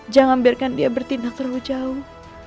jangan biarkan dia bertindak terlalu jauh